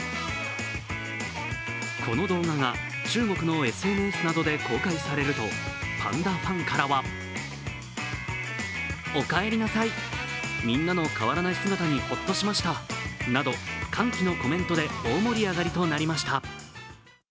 この動画が中国のＳＮＳなどで公開されると、パンダファンからはなど、歓喜のコメントで大盛り上がりとなりました。